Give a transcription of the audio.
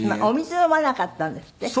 お水飲まなかったんですって？